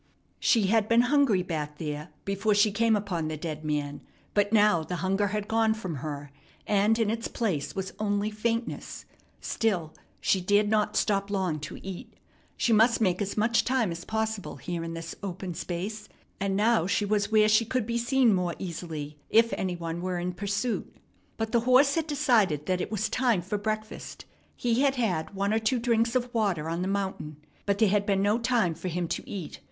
She had been hungry back there before she came upon the dead man; but now the hunger had gone from her, and in its place was only faintness. Still, she dared not stop long to eat. She must make as much time as possible here in this open space, and now she was where she could be seen more easily if any one were in pursuit. But the horse had decided that it was time for breakfast. He had had one or two drinks of water on the mountain, but there had been no time for him to eat.